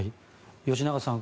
吉永さん